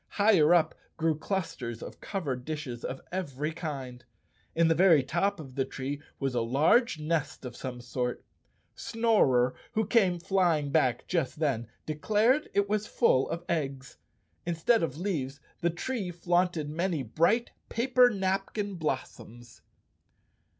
Higher up grew clusters of covered dishes of every kind. In the very top of the tree was a large nest of some sort. 177 The Cowardly Lion of Oz _ Snorer, who came flying back just then, declared it was full of eggs. Instead of leaves, the tree flaunted many bright paper napkin blossoms.